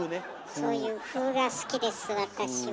そういう「風」が好きです私は。